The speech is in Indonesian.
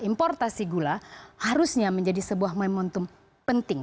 importasi gula harusnya menjadi sebuah momentum penting